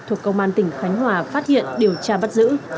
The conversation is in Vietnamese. thuộc công an tỉnh khánh hòa phát hiện điều tra bắt giữ